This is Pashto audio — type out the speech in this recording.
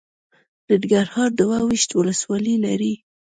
ننګرهار دوه ویشت ولسوالۍ لري.